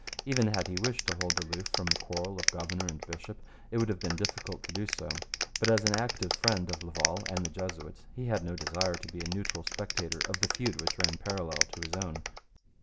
Even had he wished to hold aloof from the quarrel of governor and bishop, it would have been difficult to do so. But as an active friend of Laval and the Jesuits he had no desire to be a neutral spectator of the feud which ran parallel with his own.